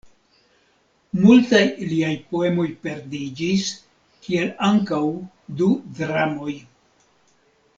Multaj liaj poemoj perdiĝis, kiel ankaŭ du dramoj.